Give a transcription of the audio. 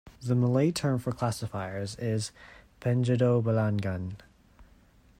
The Malay term for classifiers is "penjodoh bilangan".